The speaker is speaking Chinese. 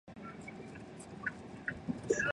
以下分别叙述。